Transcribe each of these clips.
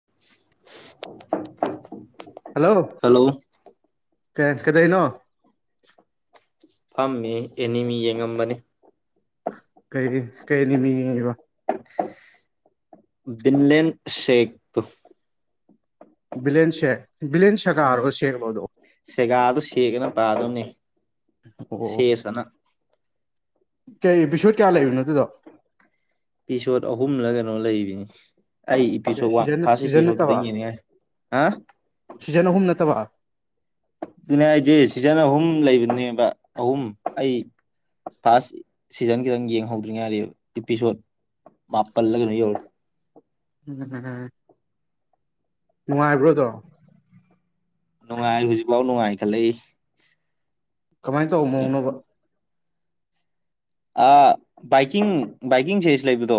[unintelligible] hello hello ꯀ ꯀꯩꯗꯩꯅꯣ ꯐꯥꯝꯃꯤ ꯑꯦꯅꯤꯃꯤ ꯌꯦꯡꯉꯝꯕꯅꯤ ꯀꯩ ꯀꯩꯅꯤꯃꯤꯕ ꯟꯂꯦꯟ ꯁꯦꯈ ꯕꯤꯂꯦꯟꯁꯦ ꯕꯤꯂꯦꯟ ꯁ ꯀꯥꯔꯒ ꯁꯦꯡꯕꯗꯣ ꯁꯦꯒꯥꯗꯨ ꯁꯦꯛꯒꯅ ꯄꯥꯗꯧꯅꯤ ꯑꯣ ꯑꯣ ꯀꯩ ꯕꯤꯁꯨꯠ ꯀꯌꯥ ꯂꯩꯔꯤꯅꯣ ꯑꯗꯨꯗꯣ ꯑꯦꯄꯤꯁꯣꯠ ꯑꯍꯨꯝꯂ ꯀꯩꯅꯣ ꯂꯩꯕꯅꯤ ꯑꯩ ꯏꯄꯤꯁꯣꯗ ꯋꯥ ꯁꯤꯖꯟ ꯐꯥꯔ ꯁꯤꯖꯟ ꯏꯄꯤꯁꯣꯠ ꯅꯠꯇꯕ ꯈꯤꯇꯪ ꯌꯦꯡꯅꯤꯡꯉꯥꯏ ꯍꯥ ꯁꯤꯖꯟ ꯑꯍꯨꯝ ꯅꯠꯇꯕ ꯑꯗꯨꯅꯦ ꯍꯥꯏꯁꯦ ꯁꯤꯖꯟ ꯑꯍꯨꯝ ꯂꯩꯕꯅꯦꯕ ꯑꯍꯨꯝ ꯑꯩ ꯐꯥꯔꯁ ꯁꯤꯖꯟ ꯈꯤꯇꯪ ꯌꯦꯡꯍꯧꯗ꯭ꯔꯤꯉꯩꯗ ꯏꯄꯤꯁꯣꯠ ꯃꯥꯄꯜꯂꯒꯩꯅ ꯌꯧꯔꯦ ꯎꯝꯝ ꯅꯨꯡꯉꯥꯏꯕ꯭ꯔꯣꯗꯣ ꯅꯨꯡꯉꯥꯏ ꯍꯧꯖꯤꯛꯐꯥꯎ ꯅꯨꯡꯉꯥꯏ ꯈꯜꯂꯛꯏ ꯀꯃꯥꯏꯅ ꯇꯧꯕ ꯃꯑꯣꯡꯅꯣ ꯕꯥꯏꯛꯀꯤꯡ ꯕꯥꯏꯛꯀꯤꯡ ꯁꯦꯁ ꯂꯩꯕꯗꯣ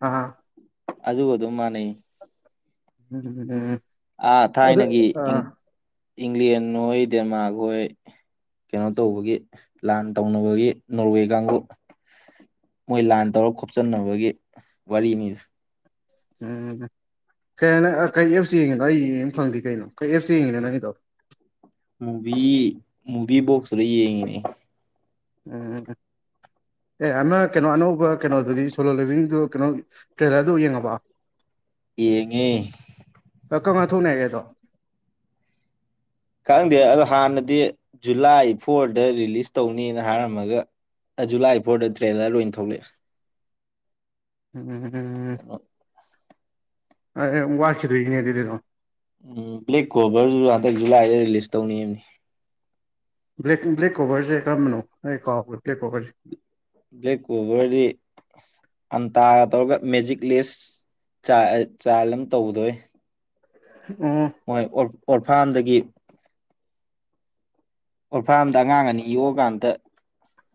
ꯑ ꯑꯗꯨꯒ ꯑꯗꯨꯝ ꯃꯥꯟꯅꯩ ꯎꯝ ꯑꯥ ꯑꯗꯨ ꯊꯥꯏꯅꯒꯤ ꯑꯥ ꯏꯪꯂꯦꯟ ꯍꯣꯏ ꯗꯦꯟꯃꯥꯔꯛ ꯍꯣꯏ ꯀꯩꯅꯣ ꯇꯧꯕꯒꯤ ꯂꯥꯟ ꯇꯧꯅꯕꯒꯤ ꯅꯣꯔꯋꯦ ꯀꯥꯡꯕꯨ ꯃꯣꯏ ꯂꯥꯟ ꯇꯧꯔꯒ ꯈꯣꯞꯆꯟꯅꯕꯒꯤ ꯋꯥꯔꯤꯅꯤ ꯎꯝ ꯀꯩ ꯍꯥꯏꯅ ꯀꯩ ꯑꯦꯞꯁꯨ ꯌꯦꯡꯉꯤꯅꯣ ꯑꯩ ꯌꯦꯡꯕ ꯐꯪꯗꯦ ꯀꯩꯅꯣ ꯀꯩ ꯑꯦꯞꯁꯨ ꯌꯦꯡꯉꯤꯅꯣ ꯅꯪꯒꯤꯗꯣ ꯃꯨꯚꯤ ꯃꯨꯚꯤ ꯕꯣꯛꯁꯗ ꯌꯦꯡꯉꯤꯅꯦ ꯎꯝ ꯑꯦ ꯑꯃ ꯀꯩꯅꯣ ꯑꯅꯧꯕ ꯀꯩꯅꯣꯗꯨꯗꯤ ꯁꯣꯂꯣ ꯂꯤꯕꯤꯡꯗꯨ ꯀꯩꯅꯣ ꯇ꯭ꯔꯦꯂꯔꯗꯨ ꯌꯦꯡꯉꯕ [unintelligible] ꯌꯦꯡꯉꯤ ꯀꯪꯂꯥ ꯊꯣꯛꯅꯑꯦ ꯑꯗꯣ ꯈꯪꯗꯦ ꯑꯗꯣ ꯍꯥꯟꯅꯗꯤ ꯖꯨꯂꯥꯏ ꯐꯣꯔꯗ ꯔꯤꯂꯤꯁ ꯇꯧꯅꯤꯅ ꯍꯥꯏꯔꯝꯃꯒ ꯑꯗꯨ ꯂꯥꯛꯏꯐꯥꯎꯗ ꯇ꯭ꯔꯦꯂꯔ ꯂ ꯑꯣꯏꯅ ꯊꯣꯛꯂꯛꯑꯦ ꯎꯝ ꯎꯝ ꯑꯣ ꯑꯦ ꯋꯥꯠꯈꯤꯗꯣꯏꯅꯦ ꯑꯗꯨ ꯑꯗꯨꯗꯣ ꯎꯝ ꯕ꯭ꯂꯦꯛ ꯀꯣꯕꯔꯁꯨ ꯍꯟꯗꯛ ꯖꯨꯂꯥꯏꯗ ꯔꯤꯂꯤꯁ ꯇꯧꯅꯤꯕꯅꯤ ꯕ꯭ꯂꯦꯛ ꯕ꯭ꯂꯦꯛ ꯀꯣꯕꯔꯁꯦ ꯀꯔꯝꯕꯅꯣ ꯑꯩ ꯀꯥꯎꯕꯦ ꯕ꯭ꯂꯦꯛ ꯀꯣꯕꯔꯁꯦ ꯕ꯭ꯂꯦꯛ ꯀꯣꯕꯔꯗꯤ ꯑꯝꯇꯥꯒ ꯇꯧꯔꯒ ꯃꯦꯖꯤꯛ ꯂꯦꯁ ꯆꯥꯏ ꯑꯃ ꯇꯧꯗꯣꯏ ꯎꯝ ꯃꯣꯏ ꯑꯣꯔꯐꯥꯝꯗꯒꯤ ꯑꯣꯔ ꯐꯥꯝꯗ ꯑꯉꯥꯡ ꯑꯅꯤ ꯌꯣꯛꯑꯀꯥꯟꯗ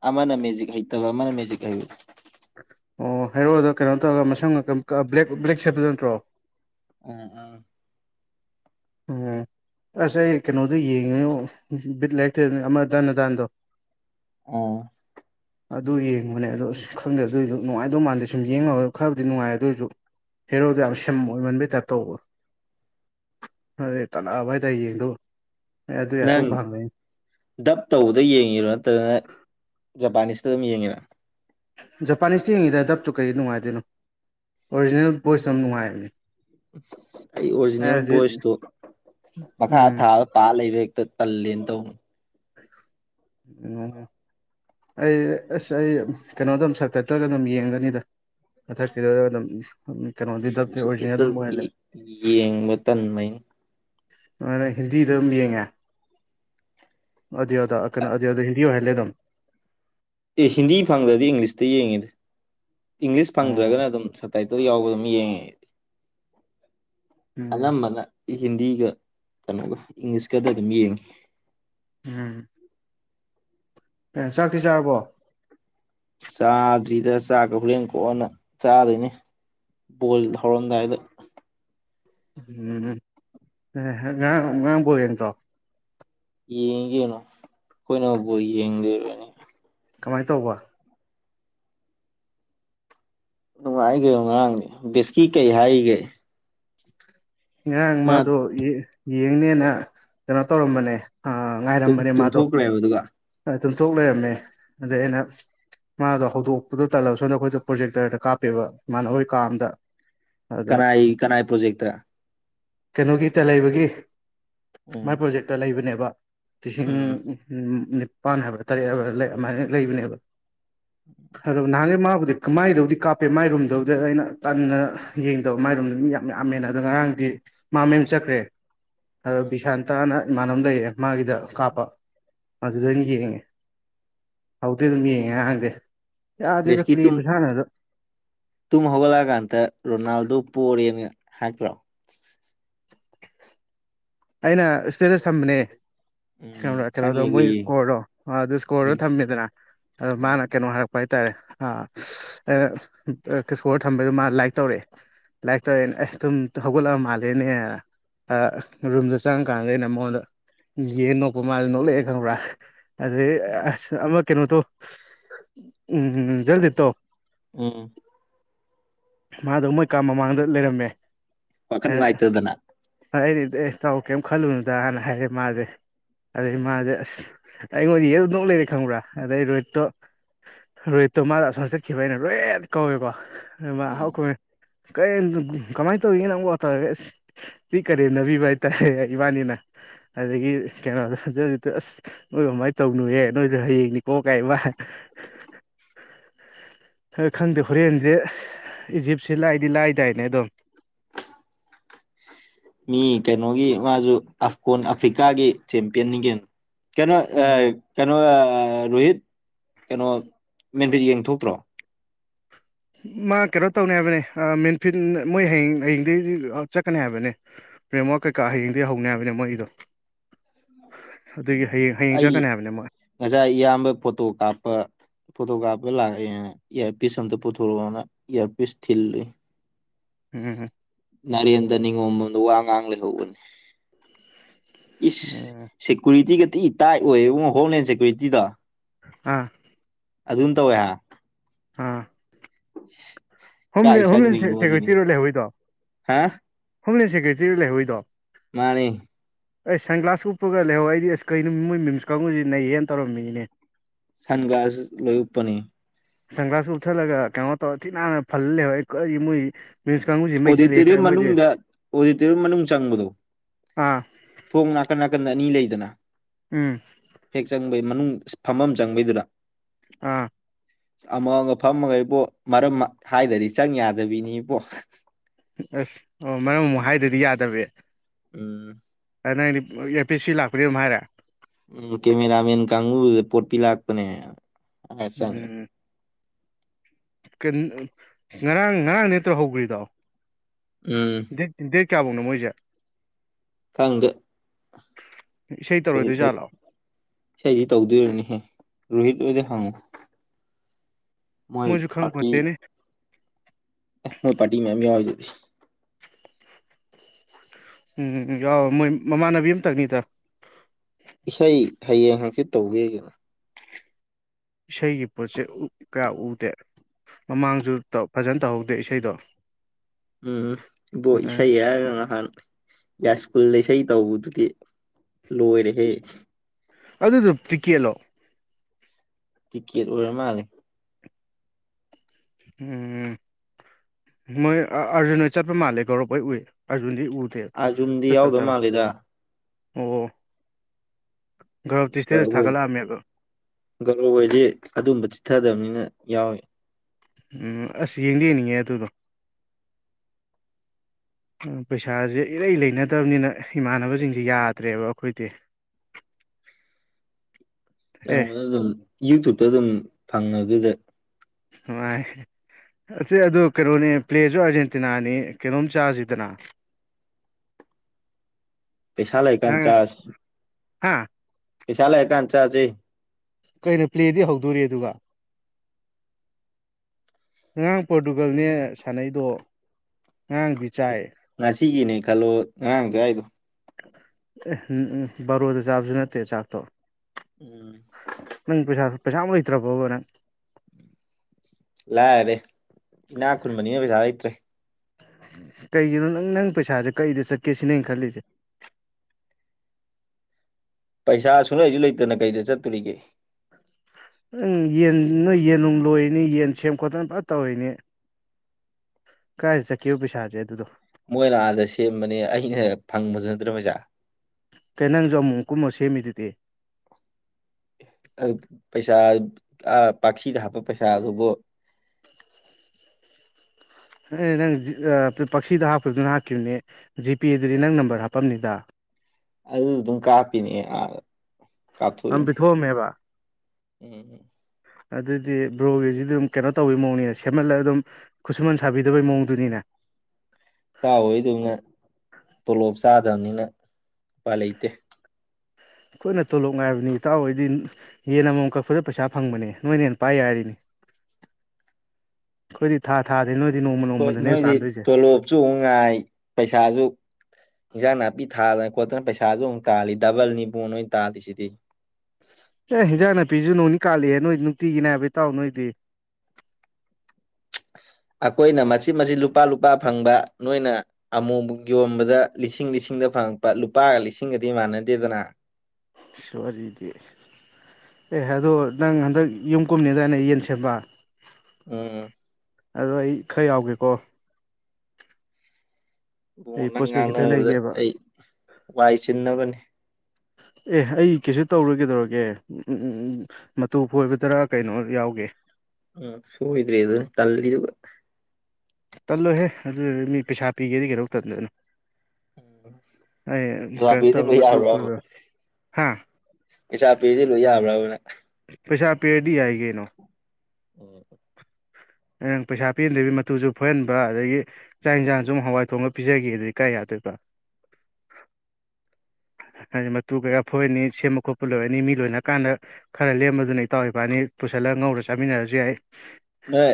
ꯑꯃꯅ ꯃꯦꯖꯤꯛ ꯍꯩꯇꯕ ꯑꯃꯅ ꯃꯦꯖꯤꯛ ꯍꯩꯕ ꯑꯣ ꯍꯩꯔꯛꯑꯣꯗ ꯀꯩꯅꯣ ꯇꯧꯔꯒ ꯃꯁꯪꯒ ꯕ꯭ꯂꯦꯛ ꯕ꯭ꯂꯦꯛ ꯁꯦꯠꯄ ꯅꯠꯇ꯭ꯔꯣ ꯑꯣ ꯑ ꯎꯝ ꯑꯁ ꯑꯩ ꯀꯩꯅꯣꯗꯣ ꯌꯦꯡꯉꯤꯉꯣ ꯕꯤꯠ ꯂꯩꯥꯏꯔꯛꯇ ꯑꯃ ꯗꯥꯟ ꯑꯗꯥꯟꯗꯣ ꯑ [unintelligible] ꯑꯗꯨ ꯌꯦꯡꯕꯅꯦ ꯑꯗꯣ ꯑꯁ ꯈꯪꯗꯦ ꯑꯗꯨꯑꯣꯏꯔꯁꯨ ꯅꯨꯡꯉꯥꯏꯗꯧ ꯃꯥꯟꯗꯦ ꯁꯨꯝ ꯌꯦꯡꯉꯒ ꯈꯔꯕꯨꯗꯤ ꯅꯨꯡꯉꯥꯏ ꯑꯗꯨꯑꯣꯔꯁꯨ ꯍꯦꯔꯣꯗꯣ ꯌꯥꯝ ꯁꯝ ꯑꯣꯏꯃꯟꯕꯩꯇꯥꯥꯞ ꯇꯧꯕ ꯑꯗꯨ ꯇꯅꯥꯑꯕ ꯍꯥꯏꯇꯥ ꯌꯦꯡꯗꯣ ꯑꯗꯨꯗꯤ ꯅꯪ ꯑꯇꯣꯞꯄ ꯍꯪꯉ ꯗꯞ ꯇꯧꯕꯗ ꯌꯦꯡꯉꯤꯔꯣ ꯅꯠꯇ꯭ꯔꯒꯅ ꯖꯄꯥꯅꯤꯁꯇ ꯑꯗꯨꯝ ꯌꯦꯡꯉꯤꯔ ꯖꯄꯥꯅꯤꯁꯇ ꯌꯦꯡꯉꯤꯗ ꯗꯞꯇꯨ ꯀꯔꯤ ꯅꯨꯡꯉꯥꯏꯗꯣꯏꯅꯣ ꯑꯣꯔꯤꯖꯤꯅꯦꯜ ꯚꯣꯏꯁꯇꯣ ꯌꯥꯝ ꯅꯨꯡꯉꯥꯏꯕꯅꯤ ꯑꯩ ꯑꯣꯔꯤꯖꯤꯅꯦꯜ ꯕꯣꯏꯁꯇꯣ ꯃꯈꯥ ꯊꯥ ꯄꯥꯠ ꯂꯩꯕ ꯍꯦꯛꯇ ꯇꯜꯂꯦꯅ ꯇꯧ ꯎꯝ ꯑꯩ ꯑꯁ ꯑꯩ ꯀꯩꯅꯣꯗꯝ ꯁꯛꯇꯠꯇ꯭ꯔꯒ ꯑꯗꯨꯝ ꯌꯦꯡꯒꯅꯤꯗ ꯃꯊꯛꯀꯤꯗꯨꯗ ꯑꯗꯨꯝ ꯀꯩꯅꯣꯗꯤ ꯗꯞꯇ ꯑꯣꯔꯤꯖꯤꯅꯦꯜ ꯍꯦꯛꯇ ꯑꯗꯨꯝ ꯑꯣꯏꯍꯜꯂꯦ ꯌꯦꯡꯕ ꯇꯟꯕꯩꯅꯤ ꯑꯗꯨꯃꯥꯏꯅ ꯍꯤꯟꯗꯤꯗ ꯑꯗꯨꯝ ꯌꯦꯡꯉꯦ ꯑꯗꯨ ꯑꯗ ꯀꯩꯅꯣ ꯑꯗꯨ ꯑꯗꯨ ꯍꯤꯗꯤ ꯑꯣꯏꯍꯜꯂꯦ ꯑꯗꯨꯝ ꯑꯦ ꯍꯤꯟꯗꯤ ꯐꯪꯗ꯭ꯔꯗꯤ ꯏꯪꯂꯤꯁꯇ ꯌꯦꯡꯉꯤꯗ ꯏꯪꯂꯤꯁ ꯎꯝ ꯐꯪꯗ꯭ꯔꯒꯅ ꯑꯗꯨꯝ ꯁꯞꯇꯥꯏꯇꯜ ꯌꯥꯎꯕ ꯑꯗꯨꯝ ꯌꯦꯡꯉꯦꯗꯤ ꯑꯅꯝꯕꯅ ꯍꯤꯟꯗꯤꯒ ꯀꯩꯅꯣꯒ ꯏꯪꯂꯤꯁꯀꯗ ꯑꯗꯨꯝ ꯌꯦꯡꯉꯤ ꯎꯝ ꯀ ꯆꯥꯛꯇꯤ ꯆꯥꯔꯕꯣ ꯆꯥꯗ꯭ꯔꯤꯗ ꯆꯥꯛꯀ ꯍꯣꯔꯦꯟ ꯀꯣꯛꯑꯅ ꯆꯥꯗꯣꯏꯅꯤ ꯕꯣꯜ ꯊꯧꯔꯝꯗꯥꯏꯗ ꯎꯝ ꯉꯔꯥꯡ ꯉꯔꯥꯡ ꯐꯧ ꯌꯦꯡꯗ꯭ꯔꯣ ꯌꯦꯡꯒꯅꯣ ꯑꯩꯈꯣꯏꯅꯕꯨ ꯌꯦꯡꯗꯣꯏꯔꯅꯤ ꯀꯃꯥꯏꯅ ꯇꯧꯕ ꯅꯨꯡꯉꯥꯏꯈꯣ ꯉꯔꯥꯡꯗꯤ ꯕꯤꯁꯀꯤ ꯀꯩ ꯍꯥꯏꯔꯤꯒꯦ ꯉꯔꯥꯡ ꯃꯥ ꯃꯥꯗꯣ ꯌꯦꯡꯅꯦꯅ ꯀꯩꯅꯣ ꯇꯧꯔꯝꯕꯅꯦ ꯑ ꯉꯥꯏꯔꯝꯕꯅꯦ ꯃꯥꯗꯣ ꯕ ꯑꯗꯨꯒ ꯇꯨꯝꯊꯣꯛ ꯂꯩꯔꯝꯃꯦ ꯑꯗꯩ ꯑꯩꯅ ꯃꯥꯗꯣ ꯍꯧꯗꯣꯛꯄꯗꯣ ꯇꯜꯂꯕ ꯁꯣꯝꯗ ꯑꯩꯈꯣꯏꯗ ꯄ꯭ꯔꯣꯖꯦꯛꯇꯔꯗ ꯀꯥꯞꯄꯦꯕ ꯃꯥꯅ ꯍꯣꯏ ꯀꯥ ꯑꯝꯗ ꯑꯗ ꯀꯅꯥꯏ ꯀꯅꯥꯏ ꯄ꯭ꯔꯣꯖꯦꯛꯇ ꯀꯩꯅꯣꯒꯤꯇ ꯂꯩꯕꯒꯤ ꯎꯝ ꯃꯥꯏ ꯄ꯭ꯔꯣꯖꯦꯛꯇ ꯂꯩꯕꯅꯦꯕ ꯂꯤꯁꯤꯡ ꯎꯝ ꯎꯝ ꯅꯤꯄꯥꯟ ꯍꯥꯏꯕ꯭ꯔꯥ ꯇꯔꯦꯠ ꯍꯥꯏꯕ꯭ꯔꯥ ꯑꯗꯨꯃꯥꯏꯅ ꯂꯩꯕꯅꯦꯕ ꯑꯗꯣ ꯅꯍꯥꯟꯒꯩ ꯃꯥꯕꯨꯗꯤ ꯀꯃꯥꯏꯅꯗꯧꯗꯤ ꯀꯥꯞꯄꯦ ꯃꯥꯏꯔꯣꯝꯗꯧꯗ ꯑꯩꯅ ꯇꯟꯅ ꯌꯦꯡꯗꯕ ꯃꯥꯏꯔꯣꯝꯗ ꯃꯤ ꯌꯥꯝ ꯌꯥꯝꯃꯦꯅ ꯑꯗꯣ ꯑꯉꯥꯡꯗꯤ ꯃꯥ ꯃꯦꯝ ꯆꯠꯈ꯭ꯔꯦ ꯑꯣ ꯎꯝ ꯕꯤꯁꯥꯥꯟ ꯇꯔꯥꯅ ꯏꯃꯥꯟꯅꯕ ꯑꯃ ꯂꯩꯔꯦ ꯃꯥꯒꯤꯗ ꯀꯥꯞꯄ ꯎꯝ ꯑꯗꯨꯗꯩꯅ ꯌꯦꯡꯉꯦ ꯍꯧꯗꯤꯤ ꯑꯗꯨꯝ ꯌꯦꯡꯉꯦ ꯉꯥꯡꯁꯦ ꯌꯥꯗꯗꯤ ꯑꯗꯨꯗ ꯀ ꯕꯦꯁꯀꯤ ꯇꯨꯝ ꯀ꯭ꯂ꯭ꯂꯦꯠ ꯁꯅ ꯑꯗꯨꯣ ꯇꯨꯝ ꯍꯧꯒꯠꯂꯛꯑꯀꯥꯟꯗ ꯔꯣꯅꯥꯜꯗꯣ ꯄꯣꯔꯦꯅ ꯍꯥꯏꯄ꯭ꯔꯣ ꯑꯩꯅ ꯏꯁꯇꯨꯗ ꯊꯝꯕꯅꯦ ꯎꯝ ꯀꯩꯅ ꯀꯩꯅꯣꯗꯣ ꯈꯪꯉꯦ ꯃꯣꯏ ꯎꯏꯌꯦ ꯏꯁꯀꯣꯔꯗꯣ ꯑꯗꯨ ꯏꯁꯀꯣꯔꯗꯣ ꯎꯝ ꯊꯝꯃꯦꯗꯅ ꯑꯣ ꯃꯥꯅ ꯎꯝ ꯀꯩꯅꯣ ꯍꯥꯏꯔꯛꯄ ꯄ ꯍꯥꯏꯇꯥꯔꯦ ꯑ ꯑꯩꯅ ꯀꯤꯁꯀꯣꯔ ꯊꯝꯕꯗꯨ ꯃꯥ ꯂꯥꯏꯛ ꯇꯧꯔꯛꯑꯦ ꯂꯥꯏꯔꯤꯛꯛꯇꯅꯦ ꯑꯗꯨꯝ ꯍꯧꯒꯠꯂꯑ ꯃꯥꯜꯂꯦꯅꯦ ꯔꯨꯝꯗ ꯆꯪꯉꯀꯥꯟꯗ ꯑꯩꯅ ꯃꯉꯣꯟꯗ ꯌꯦꯟ ꯅꯣꯛꯄ ꯃꯥꯗ ꯅꯣꯛꯂꯛꯑꯦ ꯈꯪꯕ꯭ꯔꯥ ꯑꯗꯩ ꯑꯁ ꯑꯃ ꯀꯩꯅꯣꯗꯣ ꯎꯝ ꯖꯜꯗꯤꯞꯇꯣ ꯎꯝ ꯃꯥꯗꯣ ꯃꯣꯏꯀꯥ ꯃꯃꯥꯡꯗ ꯂꯩꯔꯝꯃꯦ ꯋꯥꯈꯅ ꯉꯥꯏꯇꯗꯅ ꯐꯔꯅꯦꯗꯤ ꯑꯦ ꯇꯧ ꯀꯔꯤꯝ ꯈꯜꯂꯨꯅꯨꯗꯅ ꯍꯥꯏꯔꯦ ꯃꯥꯁꯦ ꯑꯗꯨꯗꯒꯤ ꯃꯥꯁꯦ ꯑꯁ ꯑꯩꯉꯣꯟꯗꯤ ꯌꯦꯔꯨ ꯅꯣꯛ ꯂꯩꯔꯦ ꯈꯪꯕ꯭ꯔꯥ ꯑꯗꯩ ꯔꯣꯠꯇꯣ ꯔꯣꯏꯍꯤꯠꯇꯣ ꯃꯥꯗ ꯑꯁꯣꯝ ꯆꯠꯈꯤꯕ ꯑꯩꯅ ꯔꯣꯏꯠ ꯀꯧꯋꯦꯀꯣ ꯃꯥ ꯍꯍꯥꯎ ꯎꯝ ꯀꯧꯏ ꯀꯩ ꯀꯃꯥꯏ ꯇꯧꯔꯤꯤꯦ ꯅꯪꯕꯨ ꯑꯇꯥꯔꯒꯦꯁ ꯇꯤ ꯀꯔꯦꯝꯅꯕꯤꯕ ꯍꯥꯏꯇꯥꯔꯦ ꯏꯕꯥꯅꯤꯅ ꯑꯗꯒꯤ ꯀꯩꯅꯣꯗꯣ ꯍꯧꯖꯤꯛ ꯍꯧꯖꯤꯛ ꯑꯁn ꯅꯣꯏ ꯀꯃꯥꯏꯅ ꯇꯧꯅꯨꯍꯦ ꯅꯣꯏꯁꯨ ꯍꯌꯦꯡꯅꯤꯀꯣ ꯀꯥꯏ ꯏꯃ ꯍꯣꯏ ꯈꯪꯗꯦ ꯍꯣꯔꯦꯟꯁꯦ ꯏꯖꯤꯞꯁꯦ ꯂꯥꯏꯗꯤ ꯂꯥꯏꯗꯥꯏꯅꯦ ꯑꯗꯨꯝ [inaudible] ꯃꯤ ꯀꯩꯅꯣꯒꯤ ꯃꯥꯁꯨꯣꯟ ꯑꯐ꯭ꯔꯤꯀꯥꯒꯤ ꯆꯦꯝꯄꯤꯌꯟꯅꯤ ꯀꯅ ꯀꯩꯅꯣ ꯎꯝ ꯀꯩꯅꯣ ꯔꯣꯍꯤꯠ ꯀꯩꯅꯣ ꯃꯦꯟꯗꯤꯦꯠ ꯌꯦꯡꯊꯣꯛꯇ꯭ꯔꯣ ꯃꯥ ꯀꯩꯅꯣ ꯇꯧꯅꯤ ꯍꯥꯏꯕꯅꯦ ꯃꯦꯟꯐꯤꯠ ꯃꯣꯏ ꯍꯌꯦꯡ ꯍꯌꯦꯡꯗꯒꯤ ꯆꯠꯀꯅꯤ ꯍꯥꯏꯕꯅꯦ ꯃꯦꯝꯃꯣ ꯀꯩꯀꯥ ꯍꯌꯦꯡꯗꯒꯤ ꯍꯧꯅꯤ ꯍꯥꯏꯕꯅꯦ ꯃꯣꯏ ꯏꯗꯣ ꯎꯝ ꯑꯗꯨꯒꯤ ꯍꯌꯦꯡ ꯍꯌꯦꯡ ꯆꯠꯀꯅꯤ ꯍꯥꯏꯕꯅꯦ ꯑꯃ ꯉꯁꯥꯏ ꯏꯌꯥꯝꯕ ꯐꯣꯇꯣ ꯀꯥꯞꯄ ꯐꯣꯇꯣ ꯀꯥꯞꯄꯒ ꯂꯥꯛꯑꯦꯅ ꯏꯌꯥꯔꯄꯤꯤꯁ ꯑꯝꯇ ꯄꯨꯊꯣꯔꯛꯑꯣꯅ ꯏꯌꯥꯔꯄꯤꯤꯁ ꯊꯤꯜꯂꯨꯏ ꯎꯝꯨꯝ ꯔꯦꯟꯗ ꯅꯤꯉꯣꯝꯕꯝꯗ ꯋꯥ ꯉꯥꯡ ꯂꯩꯍꯧꯕꯅꯤ ꯏꯁ ꯎꯝ ꯁꯦꯀꯨꯔꯤꯇꯤꯒꯗꯤꯤ ꯇꯥꯏꯠ ꯑꯣꯏꯌꯦꯕ ꯍꯣꯝꯅꯦꯦꯟ ꯁꯦꯀꯨꯔꯤꯇꯤꯗ ꯑ ꯑꯗꯨꯝ ꯇꯧꯋꯦ ꯍꯥꯏ ꯍꯥꯝ [inaudible] ꯍꯣꯝꯂꯦꯟ ꯀꯥꯏ ꯍꯣꯝꯂꯦꯟ ꯆꯪꯗꯣꯏꯅꯣ ꯁꯤꯅꯤ ꯁꯦꯀ꯭ꯌꯨꯔꯤꯇꯤ ꯔꯣ ꯂꯩꯍꯧꯣꯏꯗꯣ ꯍꯥ ꯍꯣꯝꯂꯦꯟ ꯁꯦꯀ꯭ꯌꯨꯔꯤꯇꯤ ꯔꯣ ꯂꯩꯍꯧꯣꯏꯗꯣ ꯃꯥꯔꯤ ꯑꯩ ꯁꯟꯒ꯭ꯂꯥꯁ ꯎꯨꯞꯄꯒ ꯂꯩꯍꯧ ꯑꯩꯗꯤ ꯑꯁ ꯀꯩꯅꯣ ꯃꯤꯃꯣꯏ ꯃꯤꯝꯁ ꯀꯥꯡꯉꯨꯁꯤ ꯅ ꯍꯦꯟꯅꯧꯔꯝꯃꯤꯅꯦ ꯁꯟ ꯒꯥꯁ ꯂꯎꯞꯄꯅꯤ ꯁꯪꯒ꯭ꯔꯥꯁ ꯀꯞꯊꯠꯂꯒ ꯀꯩꯅꯣ ꯇꯧꯔ ꯊꯤ ꯅꯥꯟꯅ ꯐꯜꯍꯜꯂꯦꯕ ꯑꯩ ꯃꯣꯏ ꯃꯤꯁ ꯀꯥꯡꯦ ꯑꯣꯗꯤꯇꯣꯔꯤꯌꯝ ꯃꯅꯨꯡꯗ ꯑꯣꯗꯤꯇꯣꯔꯤꯌꯝ ꯃꯅꯨꯡ ꯆꯪꯕꯗꯣ ꯑꯥ ꯊꯣꯡ ꯅꯥꯀꯟ ꯅꯥꯀꯟꯗ ꯑꯅꯤ ꯂꯩꯗꯅ ꯎꯝ ꯍꯦꯛ ꯆꯪꯕꯩ ꯃꯅꯨꯡ ꯐꯝ ꯑꯃ ꯆꯪꯕꯩꯗꯨꯅ ꯑꯥ ꯑꯃꯒ ꯐꯝꯃꯒꯩꯕꯣ ꯃꯔꯝ ꯍꯥꯏꯗꯗꯤ ꯆꯪ ꯌꯥꯗꯕꯤꯅꯤꯕꯣ ꯑꯁ ꯑꯣ ꯃꯔꯝ ꯑꯃꯨꯛ ꯍꯥꯏꯗ꯭ꯔꯗꯤ ꯌꯥꯗꯕ ꯎꯝ ꯅꯪꯗꯤ ꯑꯦ ꯄꯤ ꯑꯦꯁ ꯁꯤ ꯂꯥꯛꯄꯗ ꯑꯗꯨꯝ ꯍꯥꯏꯔꯦ ꯎꯝ ꯀꯦꯃꯦꯔꯥꯃꯦꯟ ꯀꯥꯡꯗꯨꯗ ꯄꯣꯠ ꯄꯤ ꯂꯥꯛꯄꯅꯦ ꯆꯪꯉꯦ ꯎꯝ ꯉꯔꯥꯡ ꯉꯔꯥꯡ ꯅꯠꯇ꯭ꯔꯣ ꯍꯧꯈ꯭ꯔꯤꯗꯣ ꯎꯝ ꯗꯦꯠ ꯗꯦꯠ ꯀꯌꯥ ꯐꯧꯅꯣ ꯃꯣꯏꯁꯦ ꯈꯪꯗ ꯏꯁꯩ ꯔꯣꯍꯤꯠ ꯇꯧꯔꯣꯏꯗꯣꯏ ꯍꯣꯏ ꯖꯥꯠꯂꯣ ꯏꯁꯩꯗꯤ ꯇꯧꯗꯣꯏꯔꯅꯤꯍꯦ ꯔꯣꯍꯤꯠ ꯍꯣꯏꯗ ꯍꯪꯉꯨ ꯃꯣꯏ ꯃꯣꯏꯁꯨ ꯈꯪ ꯄꯥꯔꯇꯤ ꯐꯠꯇꯦꯅꯦ ꯃꯣꯏ ꯄꯔꯇꯤ ꯃꯌꯥꯝꯦꯝ ꯌꯥꯎ ꯑꯗꯨꯗꯤ ꯎꯝ ꯌꯥꯎꯋꯦ ꯃꯣꯏ ꯃꯃꯥꯟꯅꯕꯤ ꯑꯃꯝꯇꯛꯅꯤꯗ ꯏꯁꯩ ꯍꯌꯦꯡ ꯍꯪꯆꯤꯠ ꯇꯧꯒꯦꯒꯤꯅꯣ ꯏꯁꯩꯒꯤ ꯄꯣꯠꯁꯦ ꯀꯌꯥ ꯎꯗꯦ ꯃꯃꯥꯡꯁꯨ ꯐꯖꯅ ꯇꯧꯍꯧꯗꯦ ꯏꯁꯩꯗꯣ ꯎꯝꯕꯣ ꯏ ꯁꯥꯏ ꯑꯍꯥꯟ ꯌꯥ ꯁ꯭ꯀꯨꯜ ꯂꯩ ꯇꯧꯕꯗꯨꯗꯤ ꯂꯣꯏꯔꯦꯍꯦ ꯑꯗꯨꯗꯣ ꯇꯤꯛꯀꯦꯠꯂꯣ ꯇꯤꯛꯀꯦꯠ ꯑꯣꯏꯔ ꯃꯥꯜꯂꯦ ꯎꯝ ꯃꯣꯏ ꯑꯔꯖꯨꯟ ꯍꯣꯏ ꯆꯠꯄ ꯃꯥꯜꯂꯦꯧꯣꯄ ꯑꯩ ꯎꯏꯦ ꯑꯔꯖꯟꯗꯤ ꯎꯦ ꯑꯥꯔꯖꯨꯟꯗꯤ ꯆꯠꯇ꯭ꯔ ꯌꯥꯎꯗ ꯆꯔ ꯃꯥꯜꯂꯦꯗ ꯑꯣ ꯒ꯭ꯔꯞꯇꯤꯁꯇꯗ ꯊꯒꯠꯛꯑꯝꯃꯦꯕ ꯒꯧꯔꯣꯏꯗꯤ ꯑꯗꯨꯝꯕ ꯆꯤꯊꯗꯕꯅꯤꯅ ꯌꯥꯎꯏ ꯍꯁꯤꯗꯤꯅꯤꯌꯦ ꯇꯨꯗ ꯄꯩꯁꯥꯁꯦ ꯏꯔꯩ ꯂꯩꯅꯗꯕꯅꯤꯅ ꯏꯃꯥꯟꯅꯕꯁꯤꯡꯁꯦ ꯌꯥꯗ꯭ꯔꯦꯕ ꯑꯩꯈꯣꯏꯗꯤ [inaudible] ꯑꯦ ꯀꯩꯅꯣꯗ ꯑꯗꯨꯝ ꯌꯨꯇꯕꯇ ꯑꯗꯨꯝ ꯐꯪꯉ ꯑꯗꯨꯗ ꯍꯥꯏ ꯑ ꯑꯗꯨ ꯀꯩꯅꯣꯅꯦ ꯄ꯭ꯂꯦꯁꯨ ꯑꯥꯔꯖꯦꯟꯇꯤꯅꯥꯅꯤ ꯀꯩꯅꯣꯝ ꯆꯥꯁꯤꯗꯅ ꯄꯩꯁꯥ ꯂꯩꯔꯀꯥꯟ ꯍꯥꯥ ꯄꯁꯥꯂ ꯍ ꯀꯆꯥꯆꯦ ꯀꯩꯅꯣ ꯄ꯭ꯂꯦꯗꯤ ꯍꯧꯗꯣꯔꯤ ꯑꯗꯨꯒ ꯑꯉꯥꯡ ꯄꯣꯔꯇꯨꯒꯜꯅꯦ ꯁꯥꯟꯅꯩꯗꯣ ꯉꯉꯥꯡꯗꯤ ꯆꯥꯏ ꯉꯁꯤꯒꯤꯅꯦ ꯈꯜꯂꯣ ꯉꯔꯥꯡꯖ ꯍꯥꯏꯗꯣ ꯎ ꯕꯔꯣꯗ ꯆꯥꯕꯁꯨ ꯅꯠꯇꯦ ꯆꯥꯛꯇꯣ ꯎꯝ ꯅꯪ ꯄꯩꯁꯥ ꯄꯩꯁꯥ ꯑꯃ ꯂꯩꯇ꯭ꯔꯕꯣꯕ ꯅꯪ ꯂꯥꯏꯔꯦ ꯏꯅꯥꯛ ꯈꯨꯟꯕꯅꯤꯅ ꯄꯩꯁꯥ ꯂꯩꯇ꯭ꯔꯦ ꯀꯩꯒꯤꯅꯣ ꯅꯪ ꯅꯪ ꯄꯩꯁꯥꯁꯦ ꯀꯩꯗ ꯆꯠꯀꯦ ꯁꯤꯅꯦꯩꯅ ꯈꯜꯂꯤꯁꯦ ꯄꯩꯁꯥ ꯁꯨꯡ ꯂꯩ ꯑꯩꯁꯨ ꯂꯩꯇꯅ ꯀꯩꯗ ꯆꯠꯇꯣꯔꯤꯒꯦ ꯎꯝ ꯌꯦꯟ ꯅꯣꯏ ꯌꯦꯟꯅꯨꯡ ꯂꯣꯏꯅꯤ ꯌꯦꯟ ꯁꯦꯝ ꯈꯣꯠꯇꯅ ꯐꯖ ꯇꯧꯔꯤꯅꯤ ꯀꯥꯏꯗ ꯆꯠꯀꯦꯣ ꯄꯩꯁꯥꯥꯁꯦ ꯑꯗꯨꯗꯣ ꯃꯣꯏꯅ ꯑꯥꯗ ꯁꯦꯝꯕꯅꯦ ꯑꯩꯅ ꯍꯦꯛ ꯐꯪꯕꯁꯨ ꯅꯠꯇ꯭ꯔꯣ ꯃꯁꯦ ꯀꯩ ꯅꯪꯁꯨ ꯑꯃꯨꯛ ꯀꯨꯝꯃ ꯁꯦꯝꯃꯤꯗꯨꯗꯤ ꯄꯩꯁꯥ ꯄꯥꯛꯁꯤꯗ ꯍꯥꯞꯄ ꯄꯩꯁꯥ ꯑꯗꯨꯕꯨ [inaudible] ꯑꯦ ꯅꯪ ꯄꯛꯁꯤꯗ ꯍꯥꯞꯄꯗꯨꯅ ꯍꯥꯞꯈꯤꯕꯅꯦ ꯖꯤꯄꯦꯗꯨꯗꯤ ꯅꯪ ꯅꯝꯕꯔ ꯍꯥꯞꯄꯝꯅꯤꯗ ꯑꯗꯨ ꯑꯗꯨꯝ ꯀꯥꯞꯄꯤꯅꯦ ꯑꯥ ꯑ ꯄꯤꯊꯣꯑꯃꯦꯕ ꯎꯝ ꯑꯗꯨꯗꯤ ꯕ꯭ꯔꯣꯒꯤꯁꯤꯗꯤ ꯑꯗꯨꯝ ꯀꯩꯅꯣ ꯇꯧꯋꯤ ꯃꯑꯣꯡꯅꯤ ꯁꯦꯝꯍꯜꯂꯒ ꯑꯗꯨꯝ ꯈꯨꯠꯁꯨꯃꯟ ꯁꯥꯕꯤꯗꯕꯩ ꯃꯑꯣꯡꯗꯨꯅꯤꯅꯦ ꯇꯥꯎꯑꯣꯏꯗꯧꯅ ꯇꯣꯂꯣꯞ ꯆꯥꯗꯕꯅꯤꯅ ꯎꯄꯥꯥꯏ ꯂꯩꯇꯦ ꯑꯩꯈꯣꯏꯅ ꯇꯣꯂꯣꯞ ꯉꯥꯏꯕꯅꯤ ꯏꯇꯥꯎꯣꯏꯗꯤ ꯌꯦꯟ ꯑꯃꯃꯝ ꯀꯛꯄꯗ ꯄꯩꯁꯥ ꯐꯪꯕꯅꯦ ꯅꯣꯏꯅ ꯍꯦꯟꯅ ꯄꯥꯏ ꯌꯥ ꯍꯥꯏꯔꯤꯅꯤ ꯑꯩꯈꯣꯏꯗꯤ ꯊꯥ ꯊꯥꯗ ꯅꯣꯏꯗꯤ ꯅꯣꯡꯃ ꯅꯣꯡꯃꯗꯅꯦ ꯑ ꯇꯥꯟꯗꯣꯏꯁꯦ ꯁꯨꯉꯥꯏ ꯄꯩꯁꯥꯁꯨ ꯏꯟꯖꯥꯡ ꯅꯥꯄꯤ ꯊꯥꯗꯅ ꯈꯣꯠꯇꯅ ꯄꯩꯁꯥꯁꯨ ꯑꯃꯨꯛ ꯇꯥꯜꯂꯤ ꯗꯕꯜ ꯅꯤꯕꯣꯟ ꯑꯣꯏꯅ ꯇꯥꯜꯂꯤ ꯁꯤꯗꯤ ꯑꯦ ꯍꯤꯟꯖꯥꯡ ꯅꯥꯄꯤꯁꯨ ꯅꯣꯡꯅꯤ ꯀꯥꯂꯛꯑꯦ ꯅꯣꯏ ꯅꯨꯡꯇꯤꯒꯤꯅꯦ ꯍꯥꯏꯕꯩ ꯇꯥꯎ ꯅꯣꯏꯗꯤ ꯑꯩꯈꯣꯏꯅ ꯃꯆꯤꯟ ꯃꯆꯤꯟ ꯂꯨꯄꯥ ꯂꯨꯄꯥ ꯐꯪꯕ ꯅꯣꯏꯅ ꯑꯃꯨꯕ ꯌꯣꯟꯕꯗ ꯂꯤꯁꯤꯡ ꯂꯤꯁꯤꯡꯗ ꯐꯪꯉꯛꯄ ꯂꯨꯄꯥꯒ ꯂꯤꯁꯤꯡꯒꯗꯤ ꯃꯥꯟꯅꯗꯦꯗꯅ ꯁꯔꯤꯗꯤ ꯑꯦꯍ ꯑꯗꯣ ꯅꯪ ꯍꯟꯗꯛ ꯌꯨꯝ ꯀꯨꯝꯅꯤ ꯑꯗꯨꯏꯅ ꯌꯦꯟ ꯁꯦꯝꯕ ꯎꯝ ꯑꯗꯣ ꯑꯩ ꯈꯔ ꯌꯥꯎꯒꯦꯀꯣ ꯕꯨꯡꯣꯟ ꯑꯩ ꯅꯪ ꯄꯣꯠ ꯆꯩ ꯈꯤꯇ ꯉꯥꯡꯅꯕꯗ ꯂꯩꯒꯦꯕ ꯑꯩ ꯋꯥꯏ ꯆꯤꯟꯅꯕꯅꯤ [inaudible] ꯑꯦ ꯑꯩ ꯀꯩꯁꯨ ꯇꯧꯔꯒꯗꯧꯔꯒꯦ ꯎ ꯃꯇꯨ ꯐꯣꯏꯕꯗꯔꯥ ꯀꯩꯅꯣ ꯌꯥꯎꯒꯦ ꯎꯝ ꯁꯣꯣꯏꯗ꯭ꯔꯦ ꯑꯗꯨ ꯇꯂꯗꯨ ꯇꯜꯂꯣꯍꯦ ꯑꯗꯨꯗꯤ ꯃꯤ ꯄꯩꯁꯥ ꯄꯤꯒꯦꯗꯤ ꯀꯩꯅꯣꯧ ꯇꯠꯂꯅꯨ ꯑꯩ ꯄꯩꯁꯥ ꯀꯩꯅꯣ ꯄꯤꯔꯗꯤ ꯇꯧ ꯂꯣꯏ ꯃꯗꯨ ꯍꯥ ꯄꯩꯆꯥ ꯄꯤꯔꯤꯗꯤ ꯂꯣꯏ ꯌꯥꯕ꯭ꯔꯕꯅ ꯄꯩꯁꯥ ꯄꯦꯗ ꯌꯥꯏꯒꯦꯅꯣ ꯅ ꯅꯪ ꯄꯩꯁꯥ ꯄꯤꯍꯟꯗꯕꯤ ꯃꯇꯨꯁꯨ ꯐꯣꯏꯍꯟꯕ ꯑꯗꯒꯤ ꯆꯥꯛ ꯌꯦꯟꯁꯥꯡ ꯁꯨꯝ ꯍꯋꯥꯏ ꯊꯣꯡꯒ ꯄꯤꯖꯒꯦ ꯑꯗꯨꯗꯤ ꯀꯌꯥ ꯌꯥꯗꯣꯏꯕ ꯍꯥꯏꯗꯤ ꯃꯇꯨ ꯀꯌꯥ ꯐꯣꯏꯔꯅꯤ ꯁꯦꯝꯕ ꯈꯣꯠꯄ ꯂꯣꯏꯔꯅꯤ ꯃꯤ ꯂꯣꯏꯅꯔ ꯀꯥꯟꯗ ꯈꯔ ꯂꯦꯝꯕꯗꯨꯅ ꯏꯇꯥꯎ ꯏꯕꯥꯟꯅꯤ ꯄꯨꯁꯜꯂꯒ ꯉꯧꯔ ꯆꯥꯃꯤꯟꯅꯔꯁꯨ ꯌꯥꯏ ꯅꯣꯏ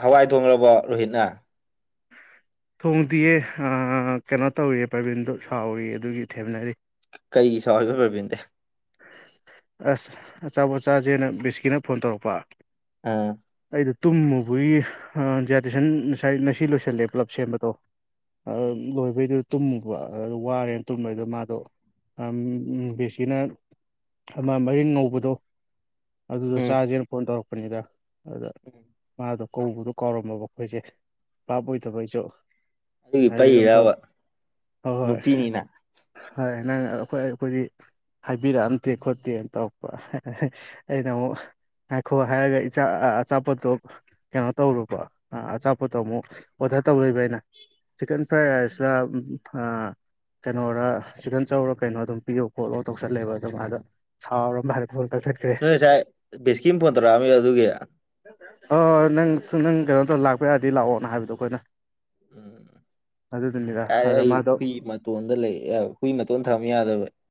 ꯍꯋꯥꯏ ꯊꯣꯡꯈꯕꯣ ꯔꯣꯍꯤꯠꯅ ꯊꯣꯡꯗꯤꯌꯦ ꯀꯩꯅꯣ ꯇꯧꯔꯤꯌꯦ ꯄꯔꯕꯤꯟꯗꯣ ꯁꯥꯎꯔꯤ ꯑꯗꯨꯒꯤ ꯊꯦꯝꯅꯔꯤ ꯀꯔꯤꯒꯤ ꯁꯔꯒ ꯔꯣꯕꯤꯟꯗꯤ ꯑꯁ ꯑꯆꯥꯄꯣꯠꯆꯥꯁꯦꯅ ꯕꯤꯁꯀꯤꯅ ꯐꯣꯟ ꯇꯧꯔꯛꯄ ꯎꯝ ꯑꯩꯗꯣ ꯇꯨꯝꯃꯨꯕꯒꯤ ꯗꯤꯖ꯭ꯔꯗꯦꯁꯟ ꯉꯁꯤ ꯂꯣꯏꯁꯤꯜꯂꯦ ꯄꯨꯂꯞ ꯁꯦꯝꯕꯗꯣ ꯑ ꯎꯝ ꯂꯣꯏꯕꯩꯗꯣ ꯇꯨꯝꯃꯨꯕ ꯋꯥꯔꯦꯅ ꯇꯨꯝꯕꯗ ꯃꯥꯗꯣ ꯕꯦꯁꯤꯅ ꯑꯃ ꯃꯔꯤꯟ ꯉꯧꯕꯗꯣ ꯑꯗꯨꯗꯣ ꯆꯥꯥꯁꯦꯅ ꯐꯣꯟ ꯇꯧꯔꯛꯄꯅꯤꯗ ꯑꯗꯨꯗ ꯎꯝ ꯃꯥꯗꯣ ꯀꯧꯕꯗꯣ ꯀꯥꯎꯔꯝꯃꯕ ꯑꯩꯈꯣꯏꯁꯦ ꯕꯥꯞ ꯑꯣꯏꯗꯕꯩꯁꯨ ꯑꯗꯨꯒꯤ ꯄꯩꯔꯤꯔꯕ ꯍꯣꯏ ꯍꯣꯏ ꯅꯨꯄꯤꯅꯤꯅ ꯍꯣꯏ ꯅꯪ ꯑꯩꯈꯣꯏ ꯑꯩꯈꯣꯏꯗꯤ ꯍꯥꯏꯕꯤꯔꯛꯑꯝꯗꯦ ꯈꯣꯠꯇꯦꯅ ꯇꯧꯔꯛꯄ ꯑꯩꯅ ꯑꯃꯨꯛ ꯉꯥꯏꯈꯣ ꯍꯥꯏꯔꯒ ꯑꯆꯥꯄꯣꯠꯇꯣ ꯀꯩꯅꯣ ꯇꯧꯔꯨꯕ ꯑꯆꯥꯄꯣꯠꯇꯣ ꯑꯃꯨꯛ ꯑꯣꯔꯗꯔ ꯇꯧꯔꯛꯕ ꯑꯩꯅ ꯆꯤꯛꯀꯟ ꯐ꯭ꯔꯥꯏ ꯔꯥꯏꯁꯂꯅ ꯀꯩꯅꯣꯔ ꯆꯤꯛꯀꯟ ꯆꯧꯔ ꯀꯩꯅꯣ ꯑꯗꯨꯝ ꯄꯤꯌꯣ ꯈꯣꯠꯂꯣ ꯇꯧꯁꯜꯂꯦꯕ ꯑꯗꯨꯝ ꯑꯥꯗ ꯁꯥꯎꯔ ꯃꯥꯜꯂꯦ ꯐꯣꯟ ꯀꯛꯊꯠꯈ꯭ꯔꯦ ꯅꯣꯏ ꯉꯁꯥꯏ ꯕꯦꯁꯀꯤꯅ ꯐꯣꯟ ꯇꯧꯔꯛꯑꯝꯃꯤꯗꯣ ꯑꯗꯨꯒꯤꯔ ꯍꯣꯏ ꯅꯪ ꯀꯩꯅꯣ ꯇꯧꯔ ꯂꯥꯛꯄ ꯌꯥꯔꯗꯤ ꯂꯥꯛꯑꯣꯅ ꯍꯥꯏꯕꯗꯣ ꯑꯩꯈꯣꯏꯅ ꯎꯝ ꯑꯗꯨꯗꯨꯅꯤꯗ ꯀꯥꯏ ꯑꯗ ꯑꯩ ꯃꯗꯣ ꯍꯨꯏ ꯍꯨꯏ ꯃꯇꯣꯟ ꯊꯝꯃꯝꯕ ꯌꯥꯗꯕ